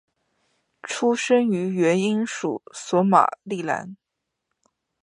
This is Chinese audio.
出生于原英属索马利兰。